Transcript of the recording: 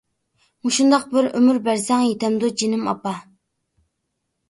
مۇشۇنداق بىر ئۆمۈر بەرسەڭ يىتەمدۇ جېنىم ئاپا؟ !